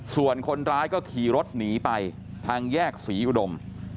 ส่วนคนร้ายก็ขี่รถหนีไปทางแยกศรีอุดม